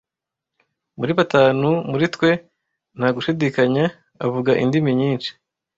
Muri batanu muri twe, nta gushidikanya, avuga indimi nyinshi.